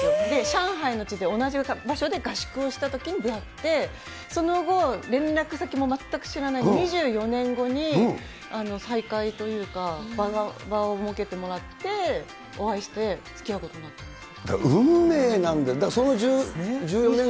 上海の地で、同じ場所で合宿をしたときに出会って、その後、連絡先も全く知らない、２４年後に再会というか、場を設けてもらってお会いして、つきあ運命なんだ、だからその１４２４年。